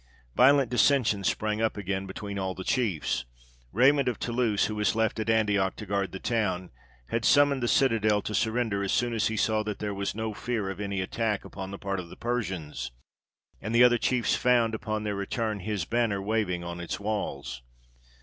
Violent dissensions sprang up again between all the chiefs. Raymond of Toulouse, who was left at Antioch to guard the town, had summoned the citadel to surrender, as soon as he saw that there was no fear of any attack upon the part of the Persians; and the other chiefs found, upon their return, his banner waving on its walls.